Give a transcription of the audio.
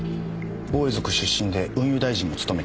防衛族出身で運輸大臣も務めています。